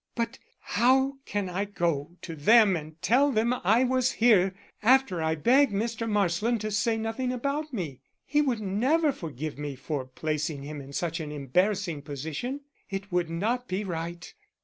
But how can I go to them and tell them I was here after I begged Mr. Marsland to say nothing about me? He would never forgive me for placing him in such an embarrassing position. It would not be right."